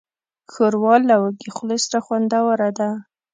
ښوروا له وږې خولې سره خوندوره ده.